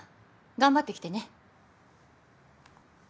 頑張ってきてね。